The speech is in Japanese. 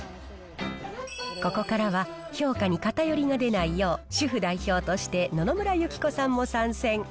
ここからは、評価に偏りが出ないよう、主婦代表として野々村友紀子さんも参戦。